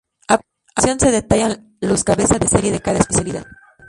A continuación se detallan los cabeza de serie de cada especialidad